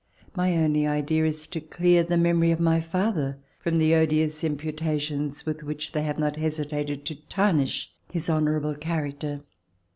My only idea is to clear the memory of my father from the odious imputations with which they have not hesitated to tarnish his honorable character.